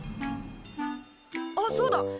あっそうだ！